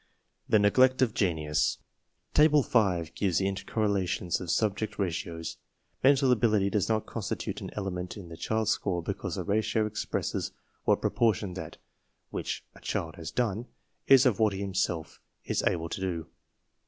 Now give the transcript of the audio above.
1 THE NEGLECT OF GENIUS Table 5 gives the iutercorrelations of Subject Ra tios. Mental ability does not constitute an element in the child's score because the Ratio expresses what pro portion that, which a child has done, is of what he himself is able to do.